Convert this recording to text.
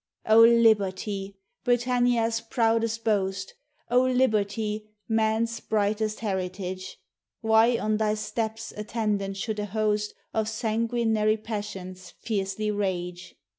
O Liberty! Britannia's proudest boast; O Liberty! man's brightest heritage; Why on thy steps attendant should a host Of sanguinary passions fiercely rage?